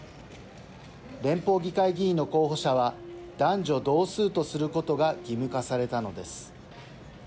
連邦議会議員の候補者は男女同数とすることが義務化されたのです。